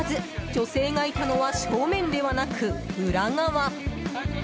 女性がいたのは正面ではなく、裏側。